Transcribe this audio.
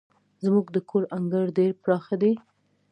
زموږ د کور انګړ ډير پراخه دی.